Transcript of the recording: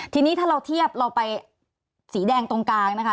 ทีนี้ถ้าเราเทียบเราไปสีแดงตรงกลางนะคะ